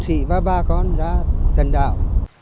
giúp đỡ các thân đạo